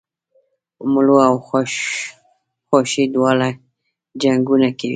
مږور او خواښې دواړه جنګونه کوي